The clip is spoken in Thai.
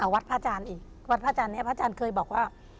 วัดพระอาจารย์อีกวัดพระอาจารย์นี้พระอาจารย์เคยบอกว่า